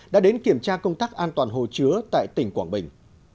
đã đến kiểm tra công tác an toàn hồ chứa tại tỉnh quảng bình